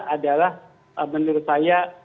adalah menurut saya